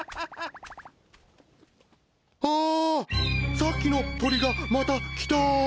さっきの鳥がまた来た！